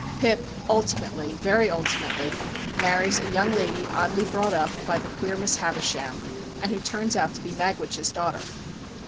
Pip ultimately, very ultimately, marries a young lady oddly brought up by the queer Miss Havisham, and who turns out to be Magwitch's daughter.